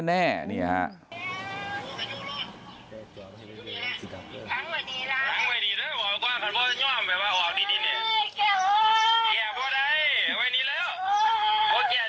ดูกับผู้หุ้มยากให้ว่ามากเท่าไหร่